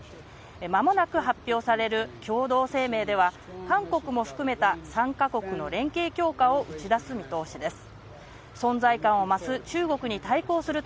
まもなく発表される共同声明では、韓国も含めた３か国の連携強化を打ち出す見通しです。